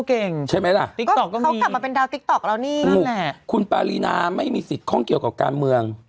เขากลับมาเป็นดาวติ๊กต๊อกแล้วนี่นั่นแหละคุณปารีนาไม่มีสิทธิ์ข้องเกี่ยวกับการเมือง